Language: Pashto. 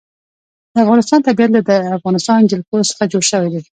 د افغانستان طبیعت له د افغانستان جلکو څخه جوړ شوی دی.